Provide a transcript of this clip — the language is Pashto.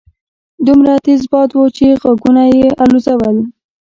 دومره تېز باد وو چې غوږونه يې الوځول.